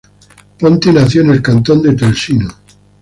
Ponti nació en el cantón del Tesino.